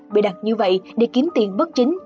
bị đặt như vậy để kiếm tiền bất chính